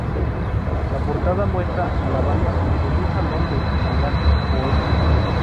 La portada muestra a la banda en un salón del salvaje oeste.